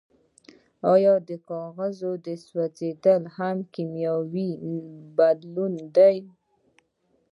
ایا د کاغذ سوځیدل هم یو کیمیاوي بدلون دی